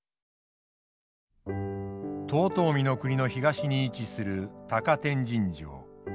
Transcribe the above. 遠江国の東に位置する高天神城。